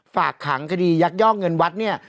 ฝากขังคดียักยอกเงินวัดเนี่ย